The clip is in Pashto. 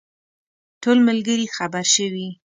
ټول ملګري خبر شوي.